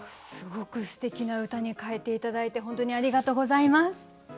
すごくすてきな歌に変えて頂いて本当にありがとうございます。